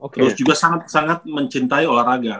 terus juga sangat sangat mencintai olahraga